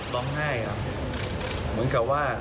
ร้องไห้ครับเหมือนกับว่า